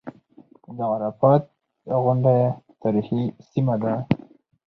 د عرفات غونډۍ تاریخي سیمه ده.